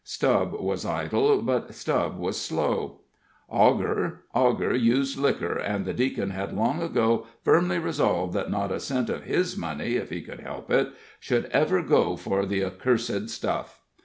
Stubb was idle, but Stubb was slow. Augur Augur used liquor, and the Deacon had long ago firmly resolved that not a cent of his money, if he could help it, should ever go for the accursed stuff.